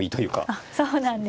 あっそうなんですね。